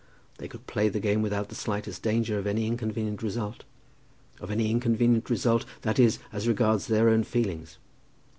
They could play the game without the slightest danger of any inconvenient result; of any inconvenient result, that is, as regarded their own feelings.